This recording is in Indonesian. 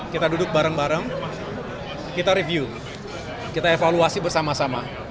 kita duduk bareng bareng kita review kita evaluasi bersama sama